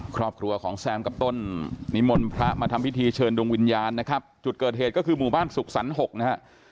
ครอบครัวของแซมกับต้นนิมนต์พระมาทำพิธีเชิญดวงวิญญาณนะครับจุดเกิดเหตุก็คือหมู่บ้านสุขสรรค๖นะฮะ